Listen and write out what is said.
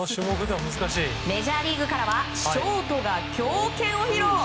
メジャーリーグからはショートが強肩を披露。